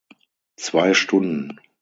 Zwei Stunden.